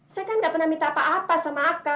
saya kan tidak pernah minta apa apa sama aka